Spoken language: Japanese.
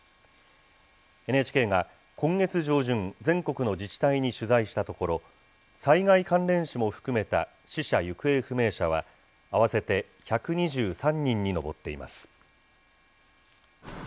ＮＨＫが、今月上旬、全国の自治体に取材したところ、災害関連死も含めた死者・行方不明者は、合わせて１２３人に上っています。